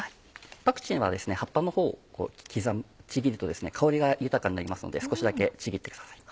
パクチーは葉っぱのほうをちぎると香りが豊かになりますので少しだけちぎってください。